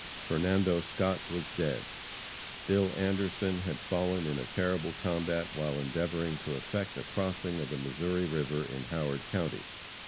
Fernando Scott was dead. Bill Anderson had fallen in a terrible combat while endeavoring to effect a crossing of the Missouri river in Howard county.